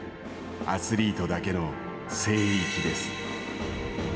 アスリートだけの聖域です。